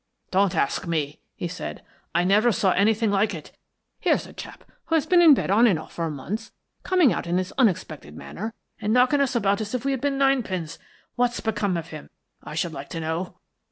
"Don't ask me," he said. "I never saw anything like it. Here's a chap who has been in bed on and off for months coming out in this unexpected manner and knocking us about as if we had been ninepins. What's become of him, I should like to know?"